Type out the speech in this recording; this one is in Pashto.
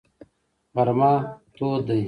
غرمه تود دی.